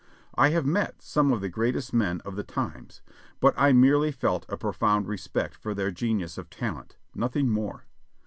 I have met some of the greatest men of the times, but I merely 708 JOHNNY REB AND BII^LY YANK felt a profound respect for their genius of talent, nothing more.